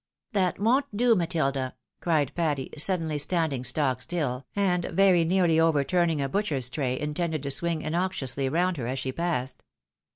" That won't do, Matilda," cried Patty, suddenly standing stock still, and very nearly overturning a butcher's tray, intended to swing innoxiously round her as she passed.